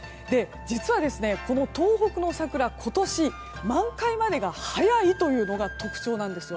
実は、この東北の桜は今年、満開までが早いというのが特徴なんです。